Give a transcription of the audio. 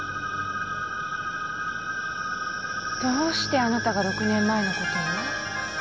どうしてあなたが６年前の事を？